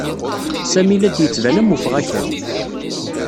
Sami la d-yettban am ufɣakal.